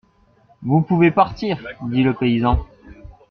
Vous pouvez partir, dit le paysan.